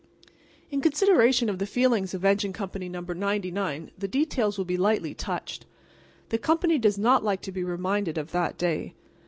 In consideration for the feelings of Engine Company No. 99 the details will be lightly touched. The company does not like to be reminded of that day.